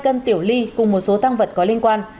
một cân tiểu ly cùng một số tăng vật có liên quan